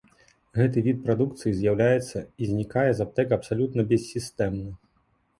Гэты від прадукцыі з'яўляецца і знікае з аптэк абсалютна бессістэмна.